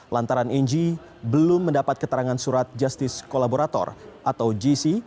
lantaran ng belum mendapat keterangan surat justice kolaborator atau gc